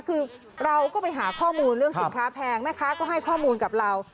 คือเราก็ไปหาข้อมูลเรื่องสินค้าแพงแม่ค้าก็ให้ข้อมูลกับเรา